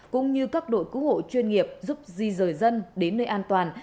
cũng như các đội cứu hộ chuyên nghiệp giúp di rời dân đến nơi an toàn